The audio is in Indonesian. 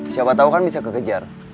siapa tahu kan bisa kekejar